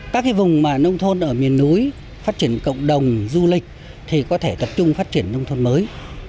các vùng nông thôn ở miền núi phát triển cộng đồng du lịch thì có thể tập trung phát triển nông thôn mới